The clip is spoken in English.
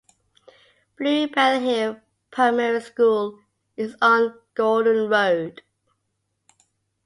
Blue Bell Hill Primary School is on Gordon Road.